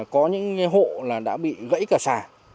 có những cái hộ là đã bị gãy cả xà